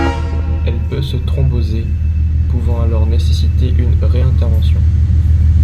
Elle peut se thromboser, pouvant alors nécessiter une ré-intervention.